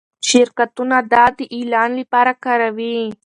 شرکتونه دا د اعلان لپاره کاروي.